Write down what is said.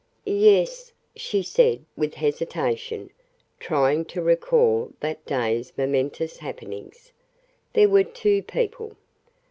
"Yes," she said with hesitation, trying to recall that day's momentous happenings; "there were two people.